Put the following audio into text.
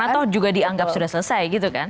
karena toh juga dianggap sudah selesai gitu kan